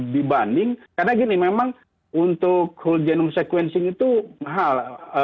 dibanding karena gini memang untuk whole genome sequencing itu mahal